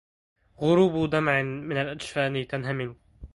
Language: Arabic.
غروب دمع من الأجفان تنهمل